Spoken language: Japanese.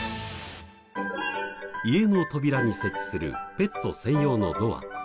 家の扉に設置するペット専用のドア。